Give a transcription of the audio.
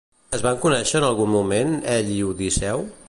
Es van conèixer en algun moment ell i Odisseu?